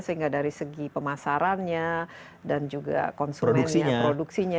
sehingga dari segi pemasarannya dan juga konsumennya produksinya